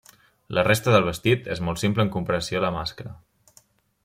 La resta del vestit és molt simple en comparació a la màscara.